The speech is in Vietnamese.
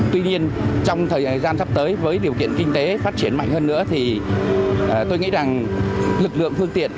tuy nhiên trong thời gian sắp tới với điều kiện kinh tế phát triển mạnh hơn nữa thì tôi nghĩ rằng lực lượng phương tiện